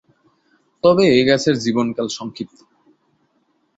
তবে এই গাছের জীবনকাল সংক্ষিপ্ত।